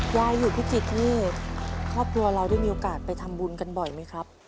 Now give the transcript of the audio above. ยายอยู่พิจิตรนี่ครอบครัวเราได้มีโอกาสไปทำบุญกันบ่อยไหมครับ